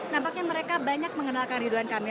nampaknya mereka banyak mengenal kang ridwan kami